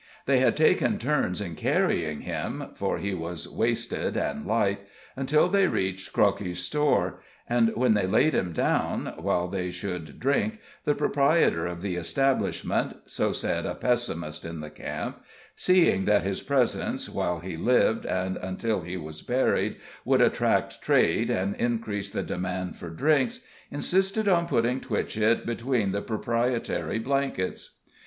They had taken turns in carrying him for he was wasted and light until they reached Crockey's store, and when they laid him down, while they should drink, the proprietor of the establishment (so said a pessimist in the camp), seeing that his presence, while he lived, and until he was buried, would attract trade and increase the demand for drinks, insisted on putting Twitchett between the proprietary blankets.